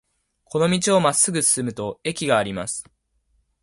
この道をまっすぐ進むと駅があります。